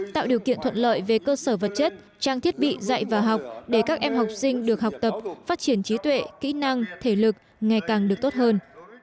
tạo điều kiện thuận lợi về cơ sở vật chất trang thiết bị dạy và học để các em học sinh được học tập phát triển trí tuệ kỹ năng thể lực ngày càng được tốt hơn